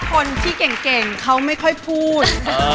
คนที่เก่งเขาไม่ค่อยพูด